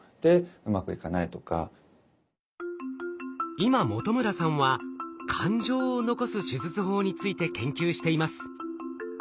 今本村さんは感情を残す手術法について研究しています。